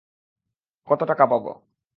কত টাকা পাবো?